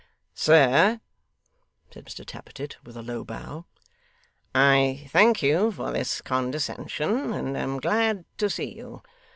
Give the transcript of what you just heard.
'Sir,' said Mr Tappertit with a low bow, 'I thank you for this condescension, and am glad to see you.